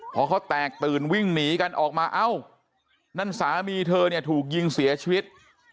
พอเขาแตกตื่นวิ่งหนีกันออกมาเอ้านั่นสามีเธอเนี่ยถูกยิงเสียชีวิต